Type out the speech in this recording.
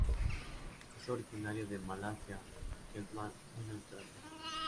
Es originario de Malasia y Queensland en Australia.